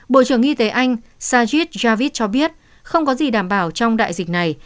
bộ trưởng y tế anh sajit javid cho biết không có gì đảm bảo trong đại dịch này